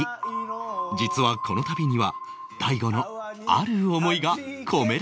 実はこの旅には大悟のある思いが込められていた